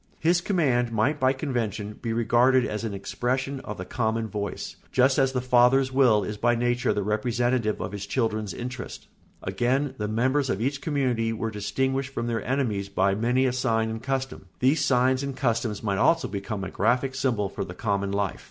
His command might by convention be regarded as an expression of the common voice, just as the father's will is by nature the representative of his children's interests. Again, the members of each community were distinguished from their enemies by many a sign and custom; these signs and customs might also become a graphic symbol for the common life.